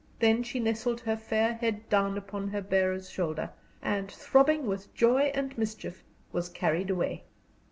Then she nestled her fair head down upon her bearer's shoulder, and, throbbing with joy and mischief, was carried away.